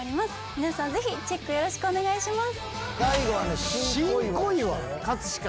皆さんぜひチェックよろしくお願いします！